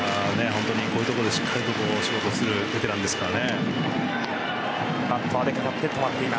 本当にこういうところでしっかり仕事をするベテランですからね。